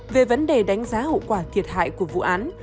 về vấn đề đánh giá hậu quả thiệt hại của vụ án